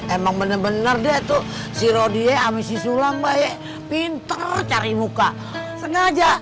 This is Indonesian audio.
emang bener bener deh tuh sirodi amisi sulam baik pinter cari muka sengaja